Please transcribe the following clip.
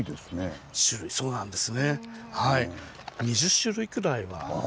そうなんですねはい。